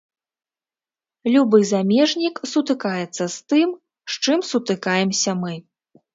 Любы замежнік сутыкаецца з тым, з чым сутыкаемся мы.